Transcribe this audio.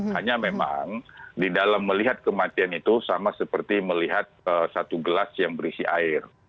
hanya memang di dalam melihat kematian itu sama seperti melihat satu gelas yang berisi air